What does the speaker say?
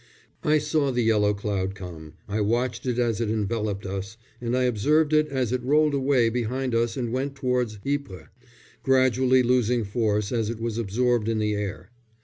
I saw the yellow cloud come, I watched it as it enveloped us, and I observed it as it rolled away behind us and went towards Ypres, gradually losing force as it was absorbed in the air.